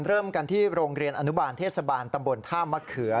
เริ่มกันที่โรงเรียนอนุบาลเทศบาลตำบลท่ามะเขือ